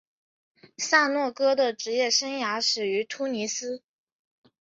萨诺戈的职业生涯始于突尼斯。